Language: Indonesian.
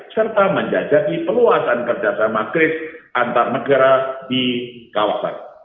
serta menjajaki peluasan kerjasama grids antarmegara di kawasan